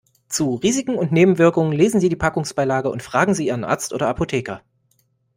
Zu Risiken und Nebenwirkungen lesen Sie die Packungsbeilage und fragen Sie Ihren Arzt oder Apotheker.